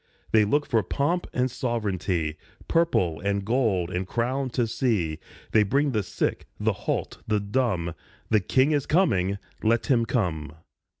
They look for pomp and sovereignty, Purple and gold and crown to see, They bring the sick, the halt, the dumb. The King is coming ! Let him come.